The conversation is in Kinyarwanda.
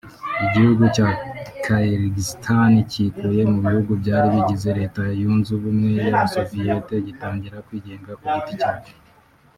Igihugu cya Kyrgyzstan cyikuye mu bihugu byari bigize Leta yunze ubumwe y’abasoviyeti gitangira kwigenga ku giti cyacyo